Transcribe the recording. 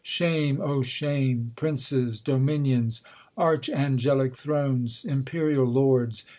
Shame, O shame ! Princes, dominions, arch angclic thrones, Imperial lords